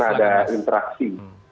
karena ada interaksi